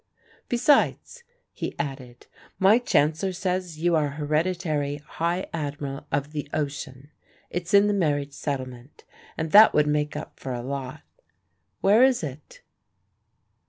"Besides," he added, "my Chancellor says you are hereditary High Admiral of the Ocean it's in the marriage settlement; and that would make up for a lot. Where is it?"